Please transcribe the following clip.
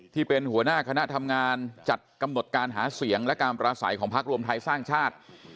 ที่เป็นหัวหน้าคณะทำงานจัดกำหนดการหาเสียงและการปราศัยของพักรวมไทยสร้างชาติ